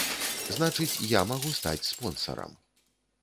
Значыць, я магу стаць спонсарам.